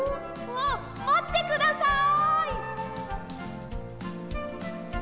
あっまってください！